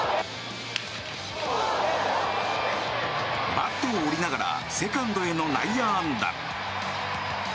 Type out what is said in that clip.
バットを折りながらセカンドへの内野安打。